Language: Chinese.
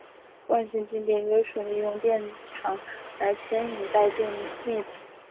惯性静电约束利用电场来牵引带电粒子。